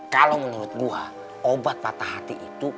kalau menurut gua obat patah hati itu